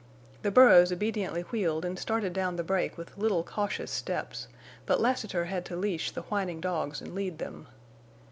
The burros obediently wheeled and started down the break with little cautious steps, but Lassiter had to leash the whining dogs and lead them.